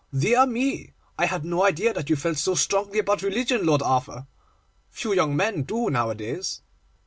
'Dear me! I had no idea that you felt so strongly about religion, Lord Arthur. Few young men do nowadays.